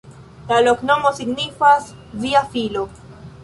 La loknomo signifas: via filo.